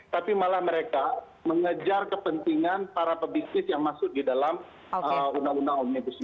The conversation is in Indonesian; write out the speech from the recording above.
tapi malah mereka mengejar kepentingan para pebisnis yang masuk di dalam undang undang omnibus law